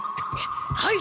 はい！